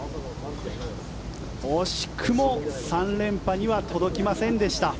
惜しくも３連覇には届きませんでした。